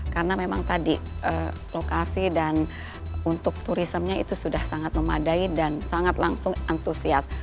karena memang tadi lokasi dan untuk turismenya itu sudah sangat memadai dan sangat langsung antusias